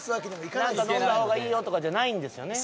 何か飲んだ方がいいよとかじゃないんですよね